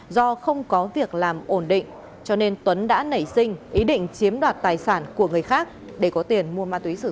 do không có việc làm ổn định cho nên tuấn đã nảy sinh ý định chiếm đoạt tài sản của người khác để có tiền mua ma túy sử dụng